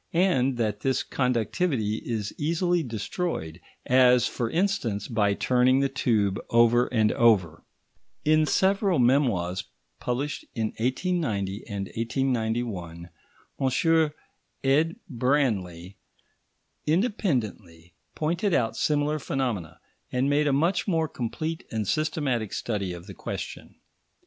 and that this conductivity is easily destroyed; as, for instance, by turning the tube over and over. In several memoirs published in 1890 and 1891, M. Ed. Branly independently pointed out similar phenomena, and made a much more complete and systematic study of the question.